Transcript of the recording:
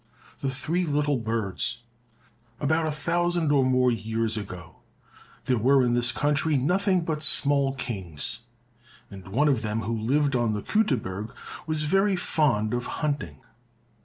96 The Three Little Birds About a thousand or more years ago, there were in this country nothing but small kings, and one of them who lived on the Keuterberg was very fond of hunting.